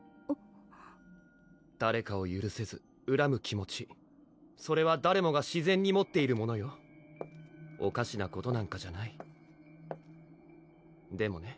誰かをゆるせずうらむ気持ちそれは誰もが自然に持っているものよおかしなことなんかじゃないでもね